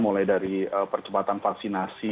mulai dari percepatan vaksinasi